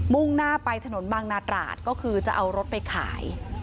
่งหน้าไปถนนบางนาตราดก็คือจะเอารถไปขาย